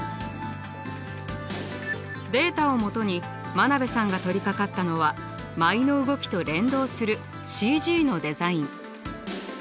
データをもとに真鍋さんが取りかかったのは舞の動きと連動するＣＧのデザイン。